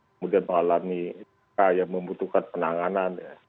kemudian mengalami membutuhkan penanganan